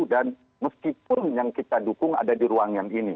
dan meskipun yang kita dukung ada di ruang yang ini